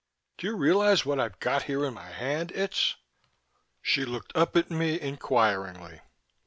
Do you realize what I've got here in my hand, Itz?" She looked up at me inquiringly.